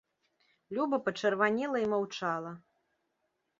Люба пачырванела і маўчала.